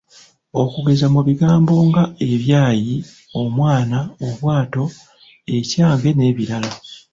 Okugeza mu bigambo nga; ebyayi, omwana, obwato, ekyange n’ebirala.